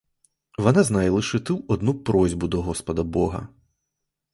Вона знає лише ту одну просьбу до господа бога.